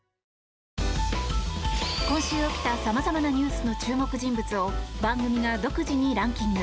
今週起きたさまざまなニュースの注目人物を番組が独自にランキング。